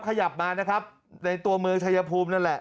ขยับมานะครับในตัวเมืองชายภูมินั่นแหละ